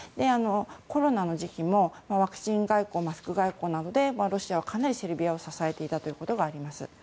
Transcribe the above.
コロナの時期もワクチン外交、マスク外交などでロシアはかなりセルビアを支えていたということがあります。